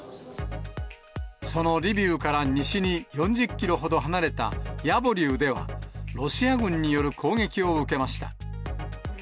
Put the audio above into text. そのリビウから西に４０キロほど離れたヤボリウでは、ロシア軍による攻撃を受けました。